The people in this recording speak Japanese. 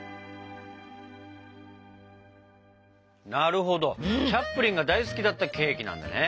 なるほどチャップリンが大好きだったケーキなんだね。